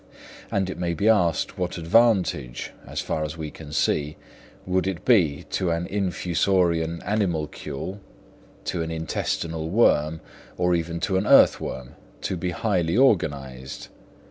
And it may be asked what advantage, as far as we can see, would it be to an infusorian animalcule—to an intestinal worm—or even to an earth worm, to be highly organised.